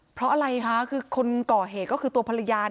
เพราะอะไรคะคือคนก่อเหตุก็คือตัวภรรยา